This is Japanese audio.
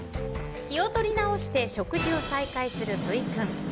気を取り直して食事を再開するブイ君。